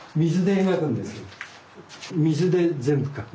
水で全部描く。